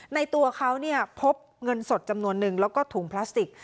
ในตัวเขาพบเงินสดจำนวนนึงแล้วก็ถุงพลาสติก